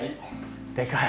でかい。